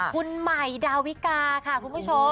คุณใหม่ดาวิกาค่ะคุณผู้ชม